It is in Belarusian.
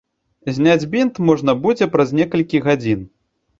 Зняць бінт можна будзе праз некалькі гадзін.